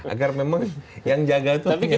agar memang yang jaga itu artinya